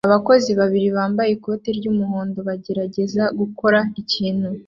Abakozi babiri bambaye ikoti ry'umuhondo bagerageza gukosora ikintu